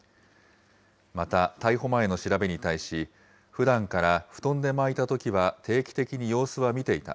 また、逮捕前の調べに対し、ふだんから布団で巻いたときは、定期的に様子は見ていた。